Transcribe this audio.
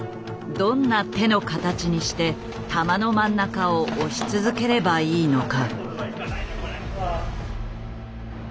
どんな手の形にして玉の真ん中を押し続ければいいのか。